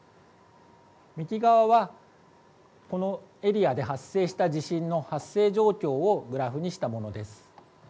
右側はこのエリアで発生した地震の発生状況をグラフにしたものです。